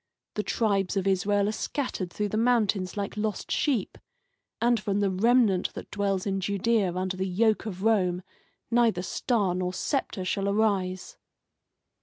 The tribes of Israel are scattered through the mountains like lost sheep, and from the remnant that dwells in Judea under the yoke of Rome neither star nor sceptre shall arise."